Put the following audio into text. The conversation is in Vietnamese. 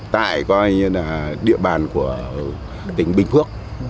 tại địa bàn của tỉnh bình phước